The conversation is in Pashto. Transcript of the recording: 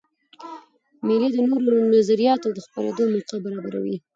مېلې د نوو نظریاتو د خپرېدو موقع برابروي.